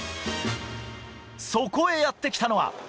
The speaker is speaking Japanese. そこへやって来たのは。